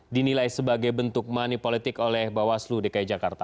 dinilai sebagai bentuk money politik oleh bawaslu dki jakarta